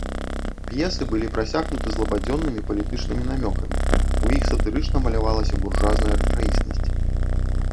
П'есы былі прасякнуты злабадзённымі палітычнымі намёкамі, у іх сатырычна малявалася буржуазная рэчаіснасць.